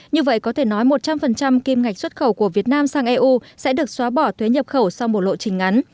như vậy có thể nói một trăm linh kim ngạch xuất khẩu của việt nam sang eu sẽ được xóa bỏ thuế nhập khẩu sau một lộ trình ngắn